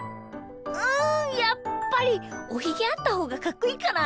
うんやっぱりおひげあったほうがかっこいいかな？